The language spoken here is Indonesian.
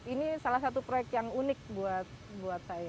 ini salah satu proyek yang unik buat saya